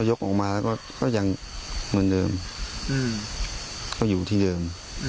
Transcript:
ยกออกมาก็ยังเหมือนเดิมก็อยู่ที่เดิม